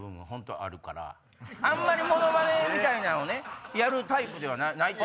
あんまりモノマネみたいなんをやるタイプではないと。